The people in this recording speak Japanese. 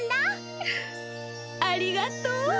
うっありがとう。